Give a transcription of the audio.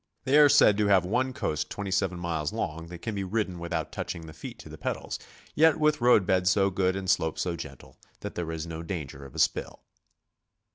. They are said to have one coast 27 miles long that can be ridden without touching the feet to the pedals, yet with roadbed so good and slope so gentle that there is no danger of a spill.